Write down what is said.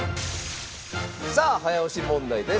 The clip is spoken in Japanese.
さあ早押し問題です。